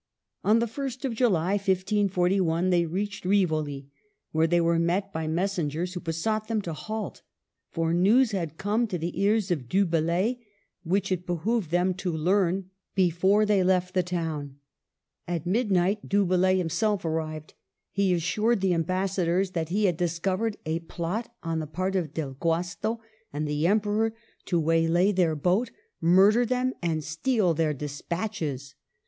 On the ist of July, 1541, they reached Rivoli, where they were met by messengers who besought them to halt, for news had come to the ears of Du Bellay which it behooved them to learn before they I90 MARGARET OF ANGOULEME. left the town. At midnight Du Bellay him self arrived ; he assured the ambassadors that he had discovered a plot on the part of Del Guasto and the Emperor to waylay their boat, murder them, and steal their despatches.